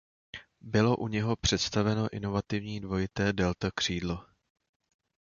Bylo u něho představeno inovativní dvojité delta křídlo.